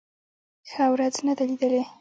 ښه ورځ نه ده لېدلې.